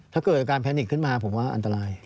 ถ้าเกิดอาการแพนิกขึ้นมาผมว่าอันตราย